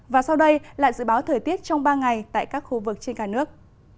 và sau đây là dự báo thời tiết trong ba ngày tại các khu vực trên cả nước